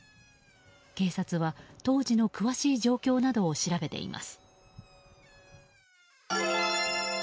警察は当時の詳しい状況などを調べています。